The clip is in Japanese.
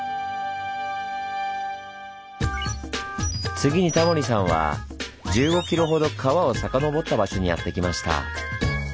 次にタモリさんは１５ｋｍほど川を遡った場所にやって来ました。